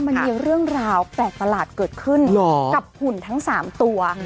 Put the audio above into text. มันมีเรื่องราวแตกตลาดเกิดขึ้นเหรอกับหุ่นทั้งสามตัว